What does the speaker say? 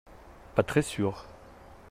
Pas très sûr.